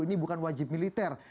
ini bukan wajib militer